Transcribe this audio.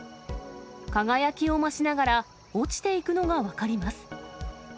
輝きを増しながら落ちていくのが分かります。